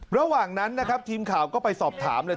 ระหว่างนั้นนะครับทีมข่าวก็ไปสอบถามเลย